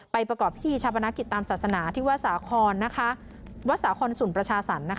ประกอบพิธีชาปนกิจตามศาสนาที่วัดสาครวัดสาคอนสุนประชาสรรค